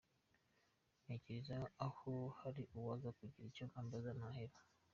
Ntegereza ko hari uwaza kugira icyo ambaza ndaheba.